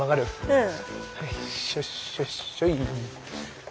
うん。